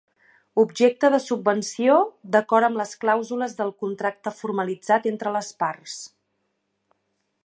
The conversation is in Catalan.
Objecte de subvenció, d'acord amb les clàusules del contracte formalitzat entre les parts.